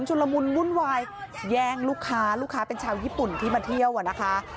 ละมุนวุ่นวายแย่งลูกค้าลูกค้าเป็นชาวญี่ปุ่นที่มาเที่ยวอะนะคะ